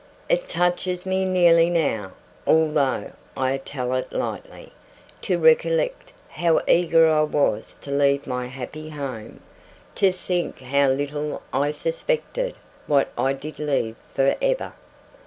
It touches me nearly now, although I tell it lightly, to recollect how eager I was to leave my happy home; to think how little I suspected what I did leave for ever.